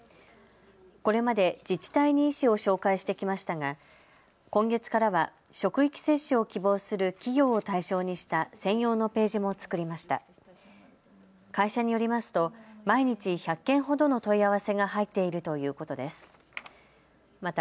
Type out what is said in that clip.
これまで自治体に医師を紹介してきましたが、今月からは職域接種を希望する企業を対象にした専用のページも作りました。